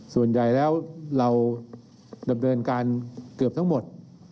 ส่วนใหญ่แล้วเราดำเนินการเกือบทั้งหมด